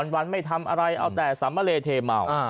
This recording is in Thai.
วันไม่ทำอะไรเอาแต่สำมะเลเทเมา